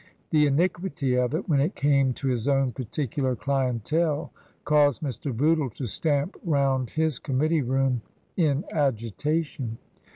The iniquity of it, when it came to his own particular clientele caused Mr. Bootle to stamp round his committee room in agitation.